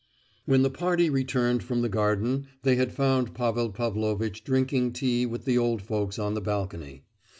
When the party returned from the garden they had found Pavel Pavlovitch drinking tea with the old folks on the balcony.